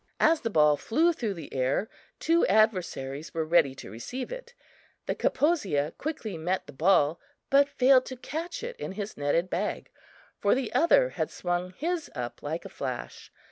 As the ball flew through the air, two adversaries were ready to receive it. The Kaposia quickly met the ball, but failed to catch it in his netted bag, for the other had swung his up like a flash.